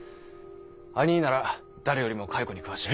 あにぃなら誰よりも蚕に詳しい。